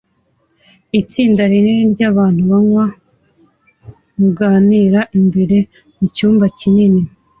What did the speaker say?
Itsinda rinini ryabantu banywa muganira imbere mucyumba kinini